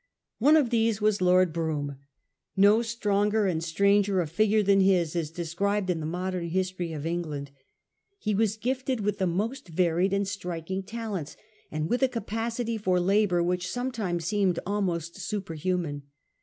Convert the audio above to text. One of these was Lord Brougham. Ho stronger and stranger a figure than his is described in the modem history of England. He was gifted with the most varied and striking talents, and with a capacity for labour which sometimes Seemed almost super human.